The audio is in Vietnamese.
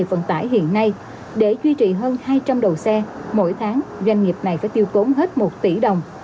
với quy trị hơn hai trăm linh đầu xe mỗi tháng doanh nghiệp này phải tiêu tốn hết một tỷ đồng